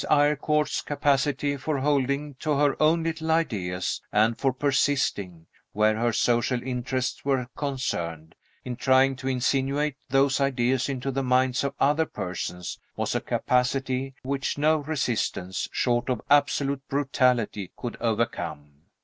Eyrecourt's capacity for holding to her own little ideas, and for persisting (where her social interests were concerned) in trying to insinuate those ideas into the minds of other persons, was a capacity which no resistance, short of absolute brutality, could overcome.